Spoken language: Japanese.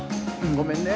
ごめんね。